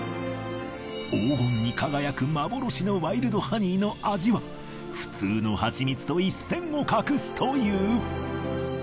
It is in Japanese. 黄金に輝く幻のワイルドハニーの味は普通のハチミツと一線を画すという。